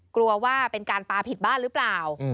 กลัวว่าเป็นการปลาผิดบ้านหรือเปล่า